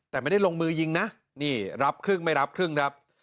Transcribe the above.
แต่ไม่ได้ลงมือยิงนะนี่รับครึ่งไม่รับครึ่งครับ